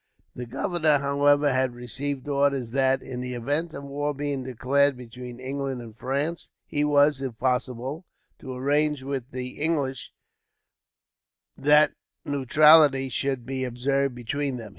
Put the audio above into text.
The governor, however, had received orders that, in the event of war being declared between England and France, he was, if possible, to arrange with the English that neutrality should be observed between them.